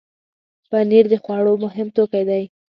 پنېر د خوړو مهم توکی دی.